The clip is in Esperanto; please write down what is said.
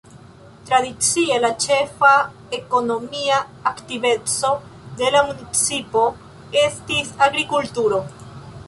Tradicie la ĉefa ekonomia aktiveco de la municipo estis agrikulturo.